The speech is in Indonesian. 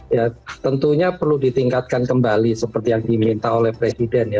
ya tentunya perlu ditingkatkan kembali seperti yang diminta oleh presiden ya